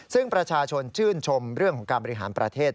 ซึ่งประชาชนชื่นชมเรื่องของการบริหารประเทศ